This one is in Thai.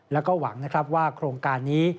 แล้วก็หวังนะครับว่าโครงการนี้